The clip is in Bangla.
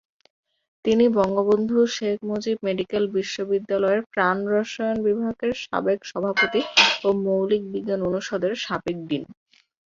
তিনি বঙ্গবন্ধু শেখ মুজিব মেডিকেল বিশ্ববিদ্যালয়ের প্রাণরসায়ন বিভাগের সাবেক সভাপতি ও মৌলিক বিজ্ঞান অনুষদের সাবেক ডিন।